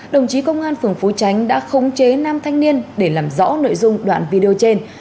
đồng chí công an phường phú tránh đã khống chế nam thanh niên để làm rõ nội dung đoạn video trên